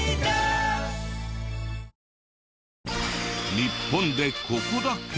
日本でここだけ！？